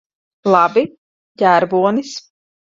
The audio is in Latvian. Labi. Ģērbonis.